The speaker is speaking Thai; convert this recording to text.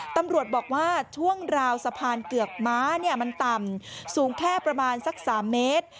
ตำรวจบอกว่าช่วงราวสะพานเกือกม้ามันต่ำสูงแค่ประมาณสัก๓เมตร